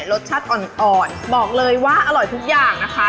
รสชาติอ่อนบอกเลยว่าอร่อยทุกอย่างนะคะ